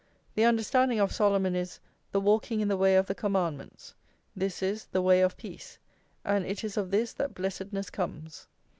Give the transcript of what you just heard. The understanding of Solomon is "the walking in the way of the commandments;" this is "the way of peace,"+ and it is of this that blessedness comes.